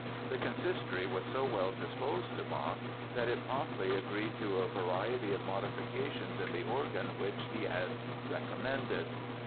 The Consistory was so well disposed to Bach that it promptly agreed to a variety of modifications in the organ which he had recommended.